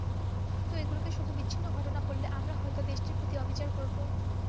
কিন্তু এগুলোকে শুধু বিচ্ছিন্ন ঘটনা বললে আমরা হয়তো দেশটির প্রতি অবিচার করব।